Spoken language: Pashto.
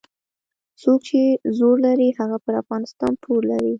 څوک چې زور لري هغه پر افغانستان پور لري.